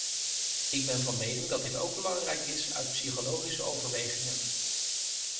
Ik ben van mening dat dit ook belangrijk is uit psychologische overwegingen.